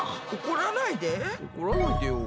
怒らないでよ。